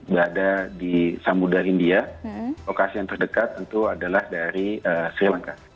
berada di samudera india lokasi yang terdekat tentu adalah dari sri lanka